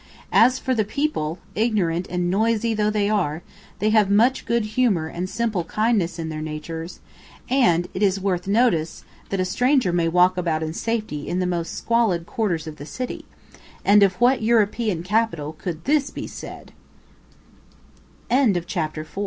As for the people, ignorant and noisy though they are, they have much good humour and simple kindness in their natures, and it is worth notice that a stranger may walk about in safety in the most squalid quarters of the city, and of what European capital could thi